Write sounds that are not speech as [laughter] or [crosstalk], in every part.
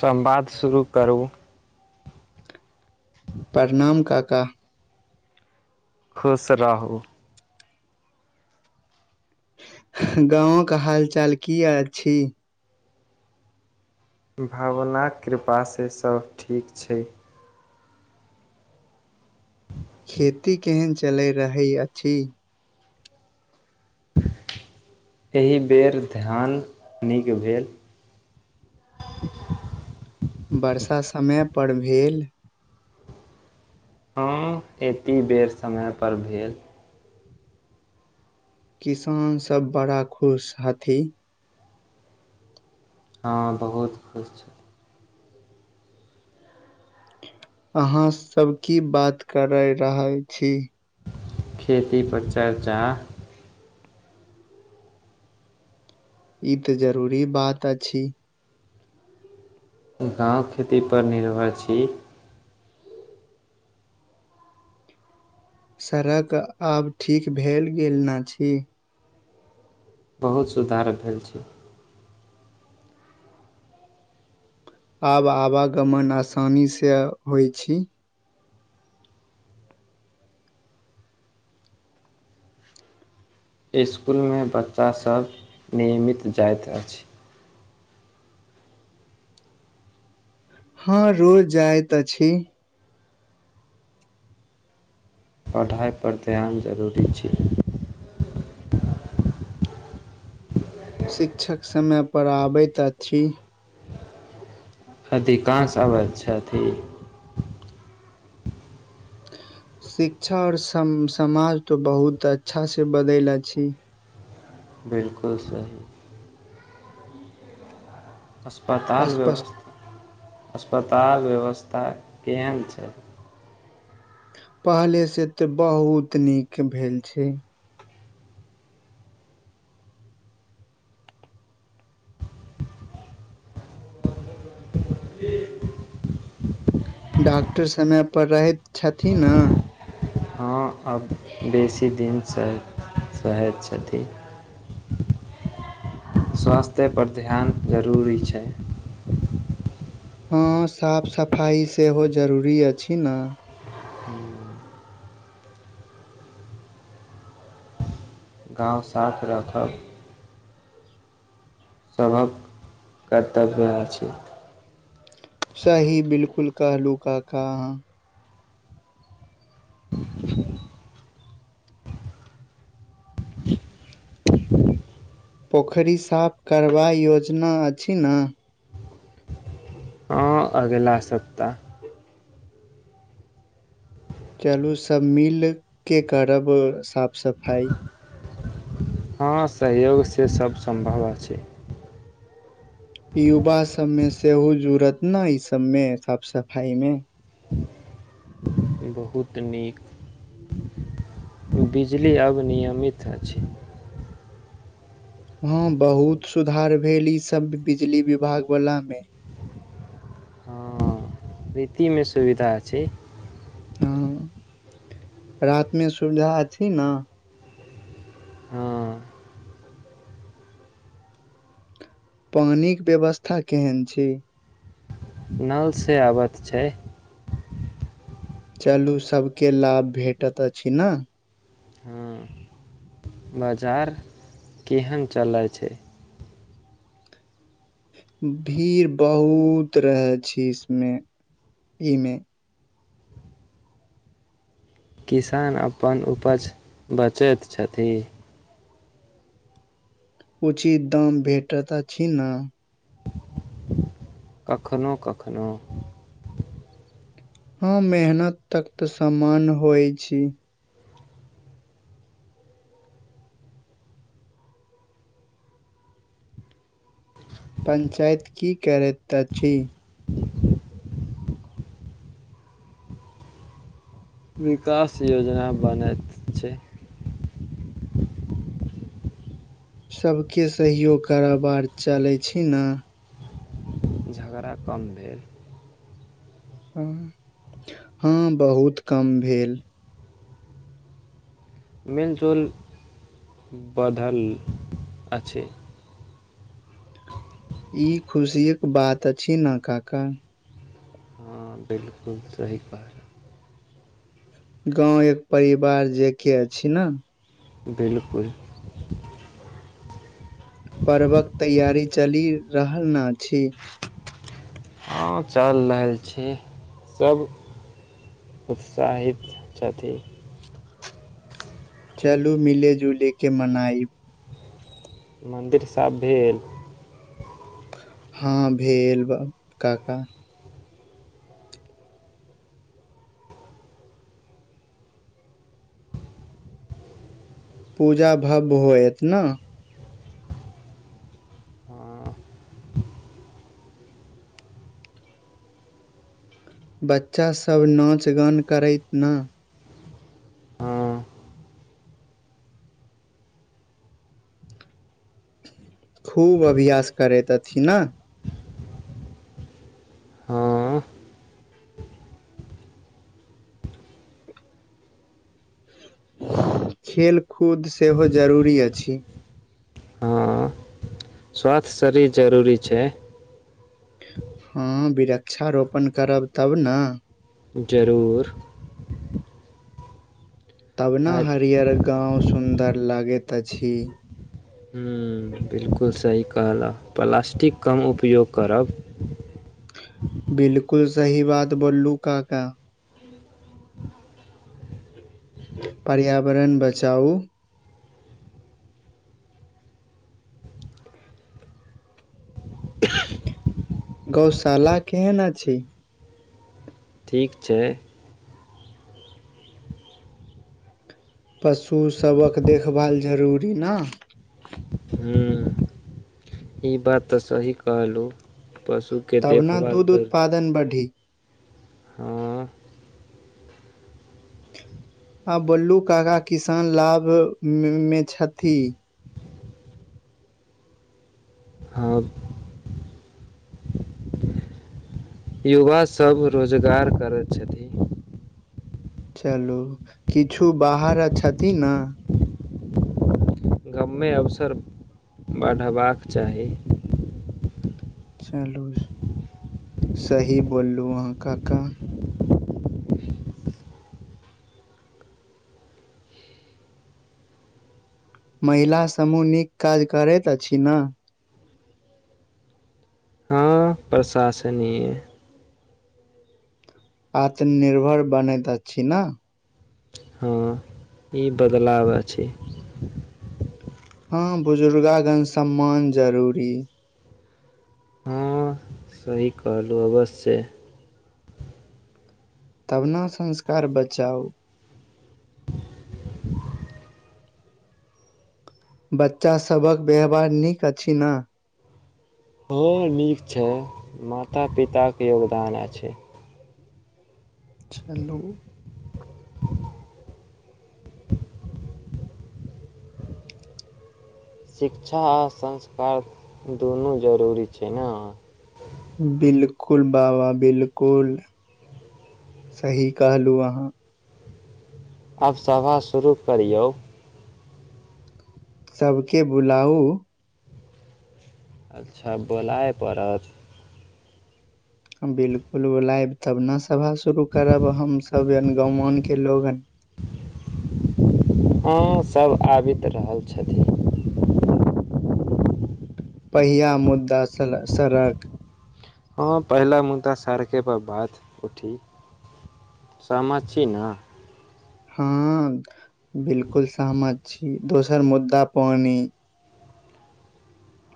संवाद शुरू करू प्रणाम काका खुश रहू गाँके हाल चाल की अछि भवनाक कृपासँ सभ ठीक छै खेती केहन चलय रहय अछि एहि बेर ध्यान नीक भेल [inaudible] वर्षा समय पर भेल हँ एतेक बेर समयपर भेल किसानसभ बड़ा खुश हथि हँ बहुत खुश छी अहाँ सब की बात करय रहल छी खेतीपर चर्चा ई तऽ जरूरी बात अछि गाँव खेतीपर निर्भर छी सड़क आब ठीक भेल गेल नहि अछि बहुत सुधार भेल छै आब आवागमन आसानीसँ होइ छी इसकुलमे बच्चासभ नियमित जाइत अछि हँ रोज जाइत अछि पढ़ाई पर ध्यान जरूरी छै शिक्षक समय पर आबैत अछि अधिकांश अबै छथि [unintelligible] शिक्षा आओर सम समाज तो बहुत अच्छा से बदलि छै बिलकुल सही अस्पताल स्पष्ट व्यवस्था अस्पताल व्यवस स्था केहन छै पहले से तऽ बहुत नीक भेल छै [unintelligible] डॉक्टर समयपर रहैत छथिन ने हँ आब बेसी दिन सह सहैत छथि [inaudible] स्वास्थ्यपर ध्यान जरूरी छै हँ साफ सफाइ सेहो जरूरी अछि ने अब आइ हो गाँव साफ राखब सभक कर्तव्य अछि सही बिलकुल कहलू का कहाँ पोखरि साफ करबा योजना अछि ने हँ अगिला सप्ताह चलू सभ मिलके करब साफ सफाइ हँ सहयोगसँ सभ सम्भव अछि युवा सभमे सेहो जूरत ने ई सबमे साफ सफाई मे बहुत नीक बिजली अब नियमित अछि हँ बहुत सुधार भेल ई सभ बिजली विभाग वलामे हँ रीतिमे सुविधा छै रातिमे सुविधा अछि न हँ पानिक व्यवस्था केहन छै नलसँ अबैत छै चलू सभके लाभ भेटैत अछि ने हँ बाजार केहन चलै छै भीड़ बहुत रहै छै इसमे ईमे किसान अपन उपज बचैत छथि उचित दाम भेटत अछि न कखनु कखनु हँ मेहनत तक तऽ सम्मान होइछी पंचायत की करैत अछि विकास योजना बनैत छै सभके सहयोग कराबार चलै छी न झगड़ा कम भेल हँ हँ बहुत कम भेल मेल जूल बढ़ल अछि ई खुशियक बात अछि न काका हाँ बिलकुल सही कहल गाँव एक परिवार जे के अछि ना बिलकुल पर्वक तैयारी चलि रहल ना छी हँ चलि रहल छी सब उत्साहित छथि चलू मिले जुले के मनाईब मन्दिर साफ भेल हँ भेल बा काका पूजा भब्य होयत ना हँ, बच्चासभ नाच गान करैत ना हँ, खूब अभ्यास करैत अथिन ना हँ, खेलकूद सेहो जरूरी अछि हँ। स्वास्थ्य शरीर जरूरी छै हँ वृक्षारोपण करब तब ना जरूर तब ना हर हरियर गाँव सुन्दर लागैत अछि हम्म बिल्कुल सही कहलह प्लास्टिक कम उपयोग करब बिलकुल सही बात बोललू काका पर्यावरण बचाउ गौशाला केहन अछि ठीक छै पशुसभक देखभाल जरूरी ना हम्म ई बात तऽ सही कहलू पशुके तब न देखभाल दूध जरूरी उत्पादन बढ़ी आ बोललू काका किसान लाभमे छथि हँ युवासभ रोजगार करै छथिन चलू किछु बाहर छथिन ने य अवसर बढ़बाक चाही चलू सही बोललू अहाँ काका महिला समूह नीक काज करैत अछि ने प्रशंसनीय आत्मनिर्भर बनैता छी ने हँ ई बदलाव छै हँ बुजुर्गागण सम्मान जरूरी हँ सही कहलहुँ अवश्य तबना संस्कार बचाओ बच्चासभक व्यवहार नीक अछि ने हओर नीक छै माता पिताके योगदान अछि हेलो शिक्षा आ संस्कार दुनू जरूरी छै ने बिलकुल बाबा बिलकुल सही कहलहुँ अहाँ आब सभा शुरू करियौ सबके बुलाउ अच्छा बोलाए पड़त बिलकुल बोलायब तब ने सभा शुरू करब हमसभ य गाँ आन के लोगन हँ सभ आबैत रहल छथिन पहिया मुद्दा सड़क हँ पहिला मुदा सड़के पर बात उठी सममाचीना हँ बिलकुल स मत छी दोसर मुद्दा पानी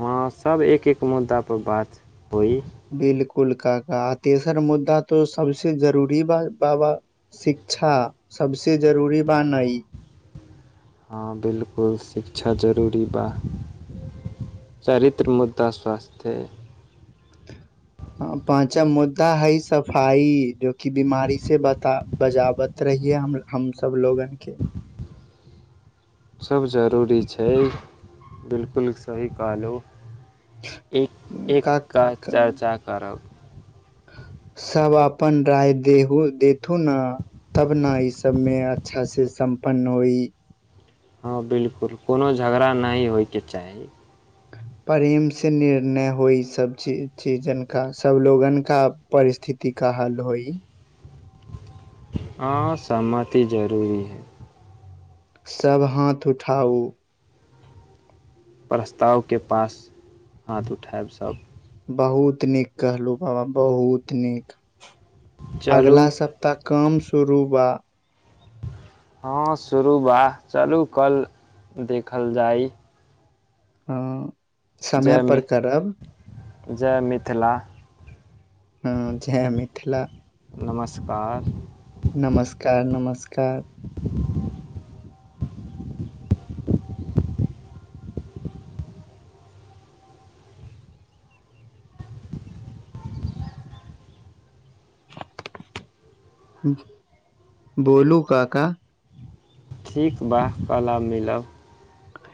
हँ सब एक एक मुद्दा पर बात होइ बिलकुल के का आ तेसर मुद्दा त सबस जरूरी बाबािक अच्छा सबसे जरूरी बातई हँ बिलकुल शिक्षा जरूरी बा चरित्र मुद्रा स्वासथ्य पाँचम मुद्दा है सफाई जो कि बीमारी से बता बजावत रहै हि हमस लोगन के सभ जरूरी छै बिलकुल सही कहल ओ एक एक का क का चर्चा करब सब अपन राय दे देथु ने तब न ई सबमें अच्छा से सम्पन्न होई हँ बिलकुल कोनो झगड़ा नहि होयके चाही प्रेम से निर्णय होई सब ची चीजन का सब लोगन का पर स्थिति का हल होइ हँ सहमति जरूरी है सब हाथ उठाउ प्रस्तावके पास हाथ उठायब सभ बहुत नीक कहलहु बाबा बहुत नीक चलू अगला सप्ताह काम शुरूबा हँ शुरू बा चलू कल देखल जाय हँ जय समयपर मि करब जय मिथिला हँ जय मिथिला नमस्कार नमस्कार नमस्कार ह बोलू काका ठीक वाह काल आब मिलब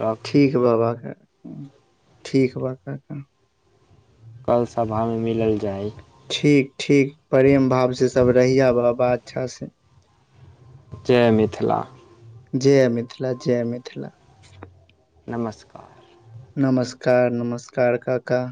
रख ठीक बाबा ठीक बा कल सभामे मिलल जाय ठीक ठीक प्रेम भाव से सब रहिय बाबा अच्छा से जय मिथिला जय मिथिला जय मिथिला नमस्कार नमस्कार नमस्कार काका